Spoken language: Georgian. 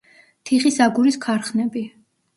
თიხის აგურის ქარხნები.